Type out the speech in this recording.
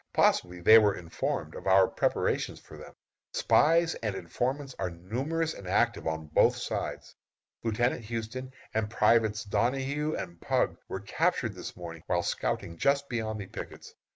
Possibly they were informed of our preparation for them. Spies and informants are numerous and active on both sides. Lieutenant Houston and privates Donahue and Pugh were captured this morning while scouting just beyond the pickets.